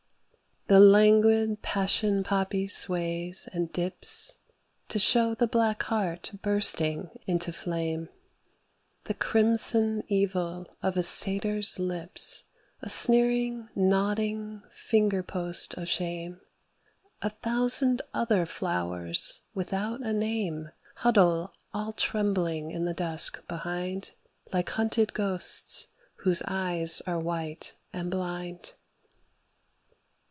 The languid passion poppy sways and dips To show the black heart bursting into flame. The crimson evil of a satyr's lips A sneering nodding finger post of shame; A thousand other flowers without a name Huddle all trembling in the dusk behind Like hunted ghosts, whose eyes are white and blind.